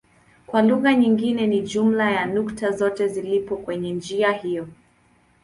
Kwa lugha nyingine ni jumla ya nukta zote zilizopo kwenye njia hiyo.